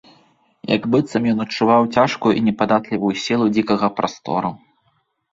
Як быццам ён адчуваў цяжкую і непадатлівую сілу дзікага прастору.